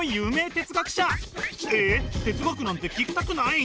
哲学なんて聞きたくない？